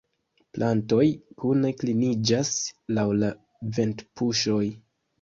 Plantoj kune kliniĝas laŭ la ventpuŝoj.